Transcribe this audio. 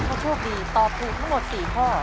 ถ้าโชคดีตอบถูกทั้งหมด๔ข้อ